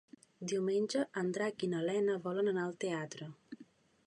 Diumenge en Drac i na Lena volen anar al teatre.